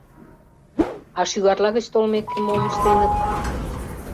А шӱгарла гыч толмеке, мом ыштеныт?